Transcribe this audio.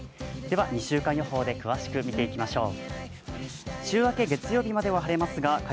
では２週間予報で詳しく見ていきましょう。